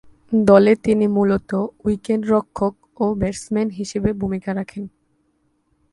দলে তিনি মূলতঃ উইকেট-রক্ষক ও ব্যাটসম্যান হিসেবে ভূমিকা রাখেন।